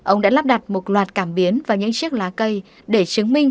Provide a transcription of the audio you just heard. ông đã lắp đặt một loạt cảm biến và những chiếc lá cây để chứng minh